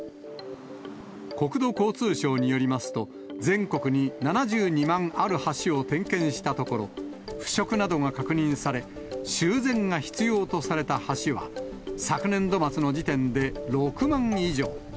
国土交通省によりますと、全国に７２万ある橋を点検したところ、腐食などが確認され、修繕が必要とされた橋は、昨年度末の時点で６万以上。